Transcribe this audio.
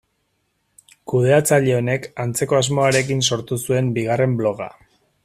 Kudeatzaile honek antzeko asmoekin sortu zuen bigarren bloga.